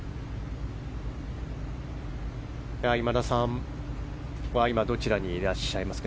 今田さんは今どちらにいらっしゃいますか？